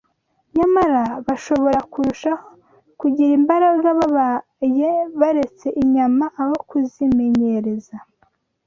Nyamara, bashobora kurushaho kugira imbaraga babaye baretse inyama aho kuzimenyereza.